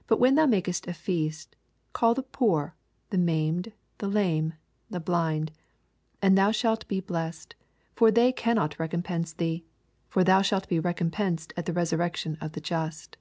13 But when thou makest a feast, call the poor, the maimed, the lame, the blind : H And thou shalt be blessed ; for they cannot recompense thee : for thou shalt be recompensed at the resurrection of the just.